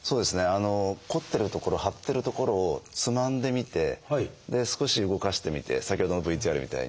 こってる所張ってる所をつまんでみて少し動かしてみて先ほどのＶＴＲみたいに。